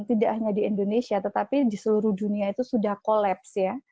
tidak hanya di indonesia tetapi di seluruh dunia itu sudah collapse ya